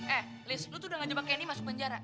eh liz lo tuh udah gak jemput candy masuk penjara